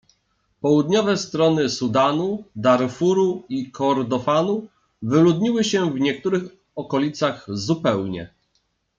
Południowe strony Sudanu, Darfuru i Kordofanu wyludniły się w niektórych okolicach zupełnie.